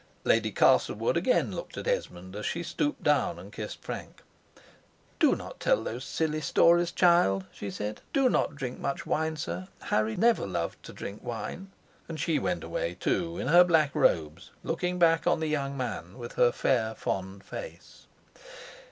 Lady Castlewood again looked at Esmond, as she stooped down and kissed Frank. "Do not tell those silly stories, child," she said: "do not drink much wine, sir; Harry never loved to drink wine." And she went away, too, in her black robes, looking back on the young man with her fair, fond face.